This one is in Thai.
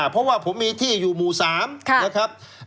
เพราะว่าผมมีที่อยู่หมู่๓นะครับ